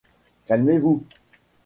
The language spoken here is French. Calmez-vous.